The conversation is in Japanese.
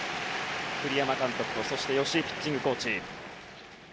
栗山監督と吉井ピッチングコーチ。